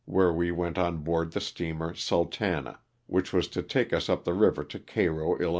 where we went on board the steamer Sultana *' which was to take us up the river to Cairo, 111.